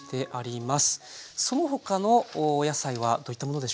その他のお野菜はどういったものでしょうか？